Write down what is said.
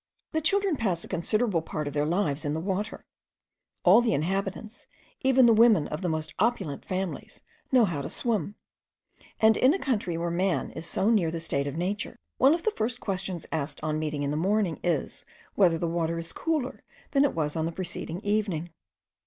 The children pass a considerable part of their lives in the water; all the inhabitants, even the women of the most opulent families, know how to swim; and in a country where man is so near the state of nature, one of the first questions asked on meeting in the morning is, whether the water is cooler than it was on the preceding evening.